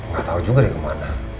gak tau juga dia kemana